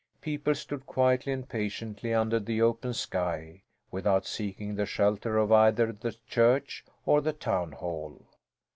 People stood quietly and patiently under the open sky without seeking the shelter of either the church or the town hall.